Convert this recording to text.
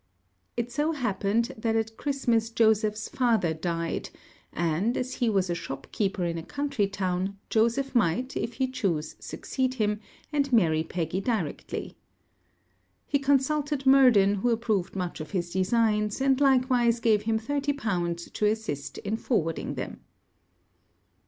It so happened, that at Christmas Joseph's father died; and, as he was a shopkeeper in a country town, Joseph might, if he chose, succeed him, and marry Peggy directly. He consulted Murden, who approved much of his designs, and likewise gave him thirty pound to assist in forwarding them.